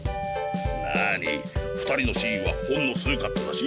なぁに２人のシーンはほんの数カットだし